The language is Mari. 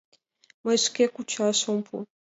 Мый шке кучаш ом пу.